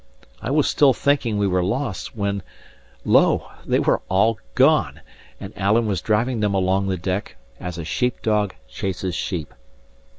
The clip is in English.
I was still thinking we were lost, when lo! they were all gone, and Alan was driving them along the deck as a sheep dog chases sheep.